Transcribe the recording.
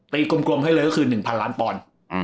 ตรีกลมให้เลยคือ๑พันล้านพร